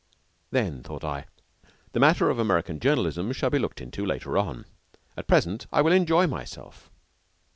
Then, thought I, "the matter of American journalism shall be looked into later on. At present I will enjoy myself."